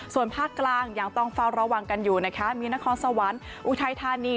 ส่วนภาคกลางยังต้องเฝ้าระวังกันอยู่นะคะมีนครสวรรค์อุทัยธานี